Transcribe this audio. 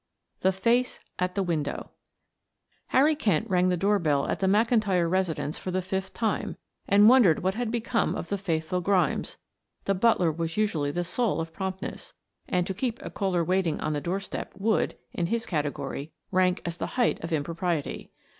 THE FACE AT THE WINDOW Harry Kent rang the doorbell at the McIntyre residence for the fifth time, and wondered what had become of the faithful Grimes; the butler was usually the soul of promptness, and to keep a caller waiting on the doorstep would, in his category, rank as the height of impropriety.